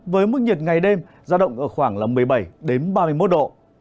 với mức nhiệt ngày đêm gia động ở khoảng một mươi bảy đến ba mươi một độ